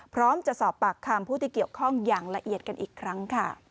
พร้อมจะสอบปากคำผู้ที่เกี่ยวข้องอย่างละเอียดกันอีกครั้งค่ะ